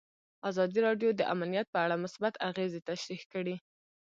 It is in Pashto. ازادي راډیو د امنیت په اړه مثبت اغېزې تشریح کړي.